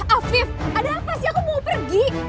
afif ada apa sih aku mau pergi